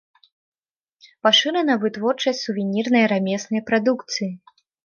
Пашырана вытворчасць сувенірнай рамеснай прадукцыі.